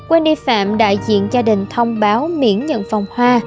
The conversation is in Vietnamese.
wendy phạm đại diện gia đình thông báo miễn nhận phòng hoa